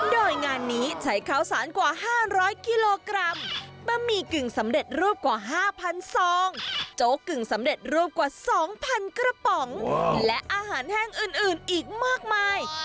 โดยงานนี้ใช้ข้าวสารกว่า๕๐๐กิโลกรัมบะหมี่กึ่งสำเร็จรูปกว่า๕๐๐ซองโจ๊กกึ่งสำเร็จรูปกว่า๒๐๐๐กระป๋องและอาหารแห้งอื่นอีกมากมาย